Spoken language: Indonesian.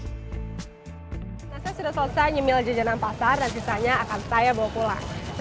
saya sudah selesai nyemil jajanan pasar dan sisanya akan saya bawa pulang